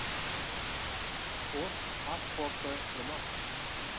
Sport pasporti nima?